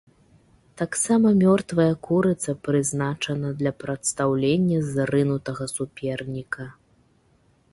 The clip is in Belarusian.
Таксама мёртвая курыца прызначана для прадстаўлення зрынутага суперніка.